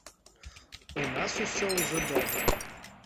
У нас усё ўжо добра.